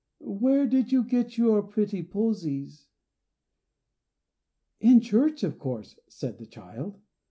Where did you get your pretty posies?" "In church, of course," said the child.